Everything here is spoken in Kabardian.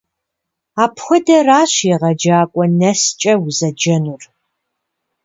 Апхуэдэращ егъэджакӀуэ нэскӀэ узэджэнур.